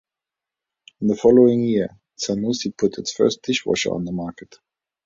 In the following year, Zanussi put its first dishwasher on the market.